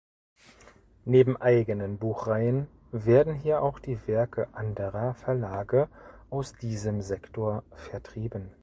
Neben eigenen Buchreihen werden hier auch die Werke anderer Verlage aus diesem Sektor vertrieben.